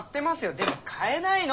でも買えないの！